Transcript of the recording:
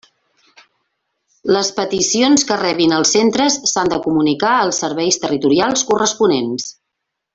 Les peticions que rebin els centres s'han de comunicar als serveis territorials corresponents.